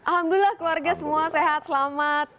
alhamdulillah keluarga semua sehat selamat